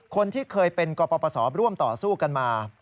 คนที่เคยเป็นกปศร่วมต่อสู้กันมา